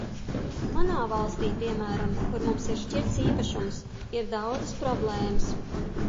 Manā valstī, piemēram, kur mums ir šķirts īpašums, ir daudzas problēmas.